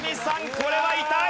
これは痛い！